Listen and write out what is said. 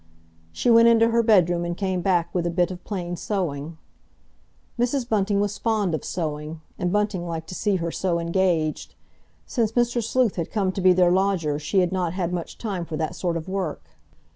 She went into her bedroom and came back with a bit of plain sewing. Mrs. Bunting was fond of sewing, and Bunting liked to see her so engaged. Since Mr. Sleuth had come to be their lodger she had not had much time for that sort of work.